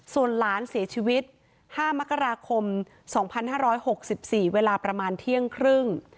ส่วนหลานเสียชีวิตห้ามักราคมสองพันห้าร้อยหกสิบสี่เวลาประมาณเที่ยงครึ่ง